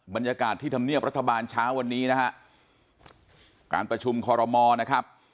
บรรยากาศที่ทำเนียบเมื่อรัฐบาลเช้าวันนี้การประชุมคอลมนะครับ